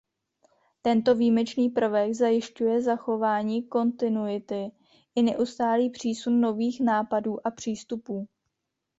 Tento výjimečný prvek zajišťuje zachování kontinuity i neustálý přísun nových nápadů a přístupů.